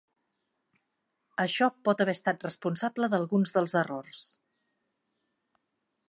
Això pot haver estat responsable d'alguns dels errors.